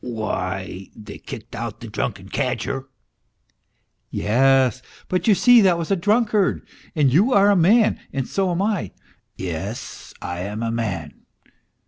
" Why, they kicked out the drunken cadger." " Yes ; but you see that was a drunkard, and j ou are a man, and so am I." " Yes, I am a man.